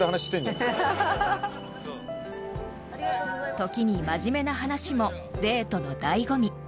［時に真面目な話もデートの醍醐味］